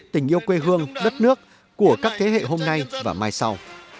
tình yêu quê hương đất nước của các thế hệ hôm nay và mai sau